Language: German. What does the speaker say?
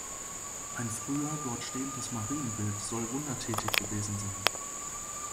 Ein früher dort stehendes Marienbild soll wundertätig gewesen sein.